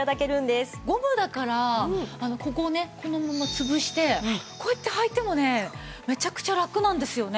ゴムだからここをねこのまま潰してこうやって履いてもねめちゃくちゃラクなんですよね。